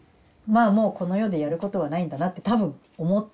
あもうこの世でやることはないんだなって多分思ったんでしょうね。